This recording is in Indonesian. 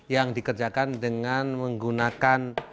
yang dikerjakan dengan menggunakan